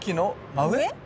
真上。